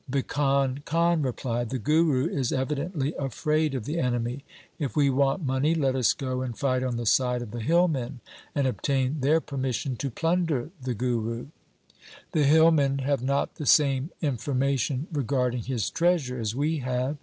Bhikan Khan replied, ' The Guru is evidently afraid of the enemy. If we want money, let us go and fight on the side of the hillmen and obtain their permission to plunder the Guru. The hillmen have not the same information regarding his treasure as we have.